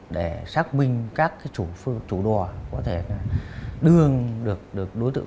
để xác minh các chủ đòa có thể đưa được đối tượng